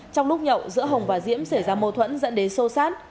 trong lúc nhậu giữa hồng và diễm xảy ra mâu thuẫn dẫn đến sô sát